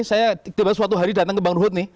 saya tiba suatu hari datang ke bang ruhut nih